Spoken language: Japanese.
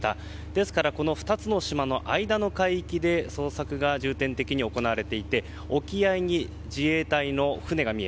ですから、２つの島の間の海域で捜索が重点的に行われていて沖合に自衛隊の船が見え